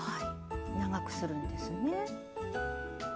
長くするんですね。